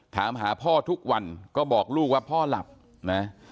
ถามหาพ่อทุกวันก็บอกลูกว่าพ่อหลับนะ